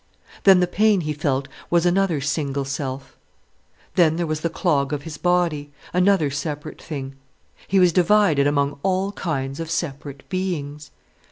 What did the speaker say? Then the pain he felt was another single self. Then there was the clog of his body, another separate thing. He was divided among all kinds of separate beings.